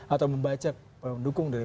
atau membacak dukung dari